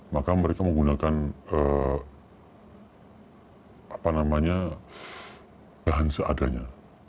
maka mereka menggunakan bahan seadanya